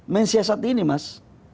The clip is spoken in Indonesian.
menyesat ini mas